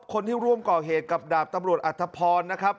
คนที่ร่วมก่อเหตุกับดาบตำรวจอัธพรนะครับ